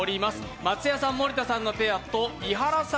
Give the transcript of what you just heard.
松也さん・森田さんのペアと伊原さん